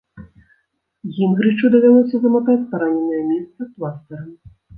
Гінгрычу давялося заматаць параненае месца пластырам.